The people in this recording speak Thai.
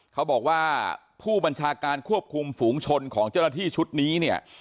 เขาบอกว่าผู้บัญชาการควบคุมฝูงชนของเจ้าหน้าที่ชุดนี้เนี่ย